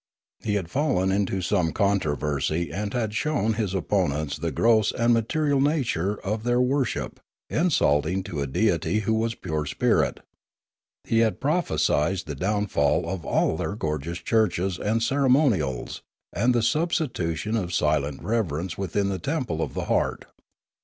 He had fallen into some controversy and had shown his 1 8 Limanora opponents the gross and material nature of their wor ship, insulting to a Deity who was pure spirit ; he had prophesied the downfall of all their gorgeous churches and ceremonials, and the substitution of silent reverence within the temple of the heart.